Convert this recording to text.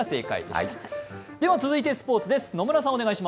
続いてスポーツです。